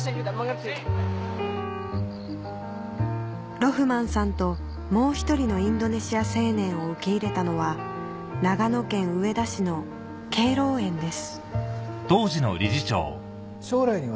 ロフマンさんともう１人のインドネシア青年を受け入れたのは長野県上田市の敬老園です